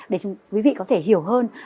để quý vị có thể hiểu hơn